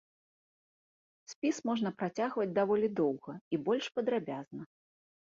Спіс можна працягваць даволі доўга і больш падрабязна.